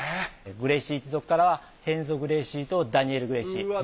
グレイシー一族からはヘンゾ・グレイシーとダニエル・グレイシー。